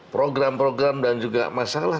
program program dan juga masalah